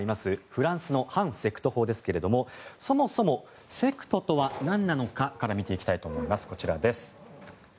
フランスの反セクト法ですがそもそもセクトとは何なのかから見ていきます。